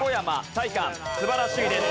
素晴らしいです。